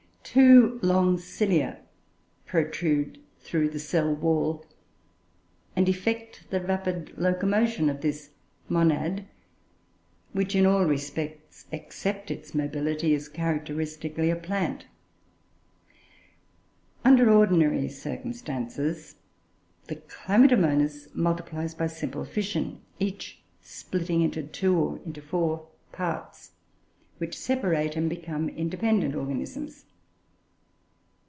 Two long cilia protrude through the cell wall, and effect the rapid locomotion of this "monad," which, in all respects except its mobility, is characteristically a plant. Under ordinary circumstances, the Chlamydomonas multiplies by simple fission, each splitting into two or into four parts, which separate and become independent organisms.